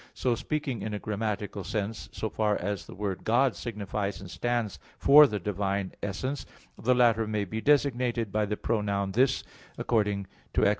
So, speaking in a grammatical sense, so far as the word "God" signifies and stands for the divine essence, the latter may be designated by the pronoun "this," according to Ex.